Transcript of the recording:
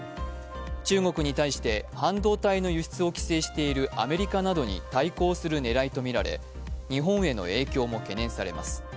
中国に対して半導体の輸出を規制しているアメリカなどに対抗する狙いとみられ日本への影響も懸念されます。